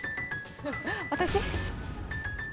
私⁉